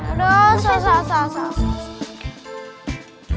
udah susah susah